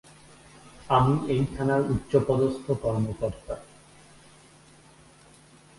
আমি এই থানার উচ্চপদস্থ কর্মকর্তা।